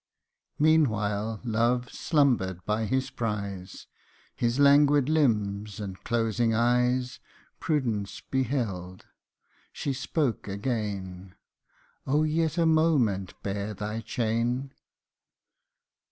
183 Meanwhile Love slumbered by his prize His languid limbs and closing eyes Prudence beheld she spoke again, " Oh ! yet a moment bear thy chain